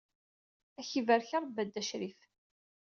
Ad ak-ibarek Rebbi a Dda Crif.